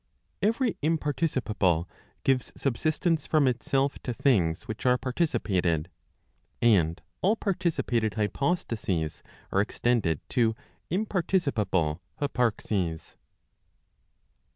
Every imparticipable gives subsistence from itself to things which are participated. And all participated hypostases are extended to imparti¬ cipable hyparxes.